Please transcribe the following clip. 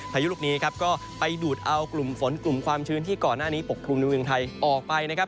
พายุลูกนี้ครับก็ไปดูดเอากลุ่มฝนกลุ่มความชื้นที่ก่อนหน้านี้ปกคลุมในเมืองไทยออกไปนะครับ